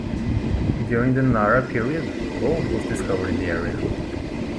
During the Nara period, gold was discovered in the area.